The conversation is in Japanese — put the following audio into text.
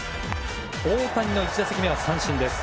大谷の１打席目は三振です。